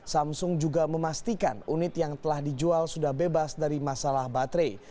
samsung juga memastikan unit yang telah dijual sudah bebas dari masalah baterai